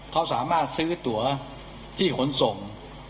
เขาสามารถซื้อตัวที่ขนส่ง